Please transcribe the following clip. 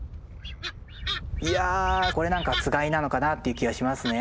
いやこれ何かつがいなのかなっていう気はしますね。